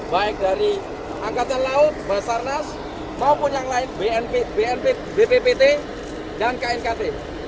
baik dari angkatan laut basarnas maupun yang lain bnp bnp bppt dan knkt